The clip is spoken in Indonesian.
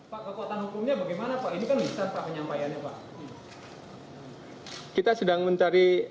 pak kekuatan hukumnya bagaimana pak ini kan bisa pak penyampaiannya pak